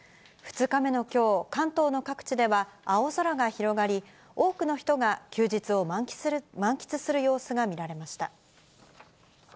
２日目のきょう、関東の各地では、青空が広がり、多くの人が休日を満喫する様子が見られました。